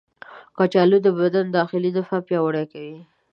کچالو د بدن داخلي دفاع پیاوړې کوي.